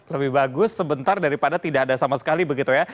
lebih bagus sebentar daripada tidak ada sama sekali begitu ya